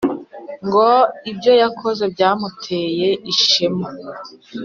ngo ibyo yakoze byamuteye ishema